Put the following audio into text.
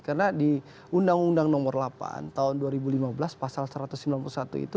karena di undang undang nomor delapan tahun dua ribu lima belas pasal satu ratus sembilan puluh satu itu